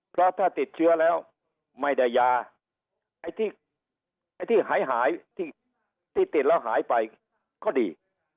เพราะถ้าติดเชื้อแล้วไม่ได้ยาไอ้ที่หายที่ติดแล้วหายไปก็ดี